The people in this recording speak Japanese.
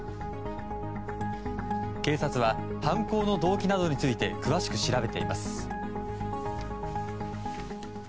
警察は犯行の動機などについて詳しく調べています。